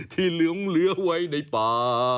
เหลืองเหลือไว้ในป่า